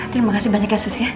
terima kasih banyak ya sus ya